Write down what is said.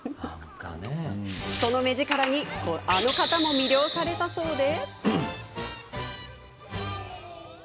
その目力にあの方も魅了されたそうで。